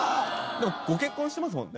でもご結婚してますもんね。